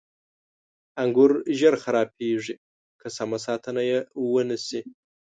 • انګور ژر خرابېږي که سمه ساتنه یې ونه شي.